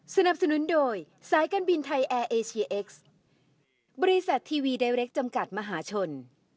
สนับสนุนโดยสายการบินไทยแอร์เอเชียเอ็กซ์บริษัททีวีไดเรคจำกัดมหาชน